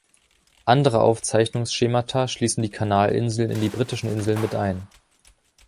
Andere Aufzeichnungsschemata schließen die Kanalinseln in die „Britischen Inseln" mit ein.